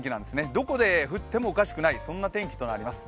どこで降ってもおかしくないそんな天気となります。